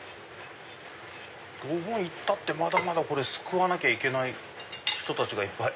いったって救わなきゃいけない人たちがいっぱい。